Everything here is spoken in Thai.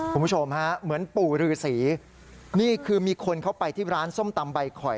คุณผู้ชมฮะเหมือนปู่ฤษีนี่คือมีคนเข้าไปที่ร้านส้มตำใบข่อย